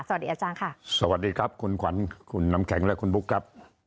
สวัสดีอาจารย์ค่ะสวัสดีครับคุณขวัญคุณน้ำแข็งและคุณบุ๊คครับ